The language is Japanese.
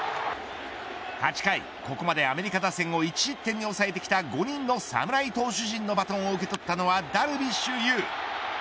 ８回ここまでアメリカ打線を１失点に抑えてきた５人の侍投手陣のバトンを受け取ったのはダルビッシュ有。